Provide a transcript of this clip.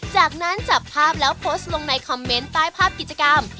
จากนั้นจับภาพแล้วโพสต์ลงในคอมเมนต์ใต้ภาพกิจกรรม